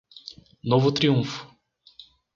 Novo Triunfo